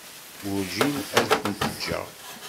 Werǧin ad kent-ǧǧeɣ.